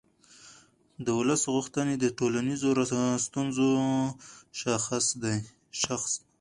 د ولس غوښتنې د ټولنیزو ستونزو شاخص دی